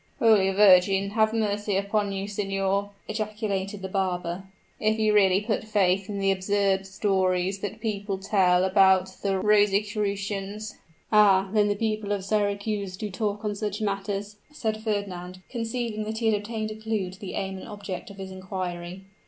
"Holy Virgin have mercy upon you, signor!" ejaculated the barber, "if you really put faith in the absurd stories that people tell about the Rosicrucians!" "Ah! then the people of Syracuse do talk on such matters?" said Wagner, conceiving that he had obtained a clew to the aim and object of his inquiry.